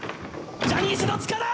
ジャニーズの塚田！